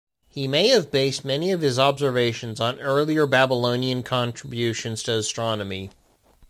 He may have based many of his observations on earlier Babylonian contributions to astronomy.